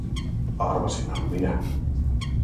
Arvasinhan minä.